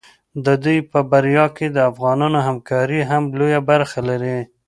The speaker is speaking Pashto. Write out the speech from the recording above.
د دوی په بریا کې د افغانانو همکاري هم لویه برخه لري.